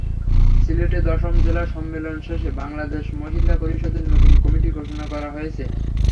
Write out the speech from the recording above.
সিলেটে দশম জেলা সম্মেলন শেষে বাংলাদেশ মহিলা পরিষদের নতুন কমিটি ঘোষণা করা হয়েছে।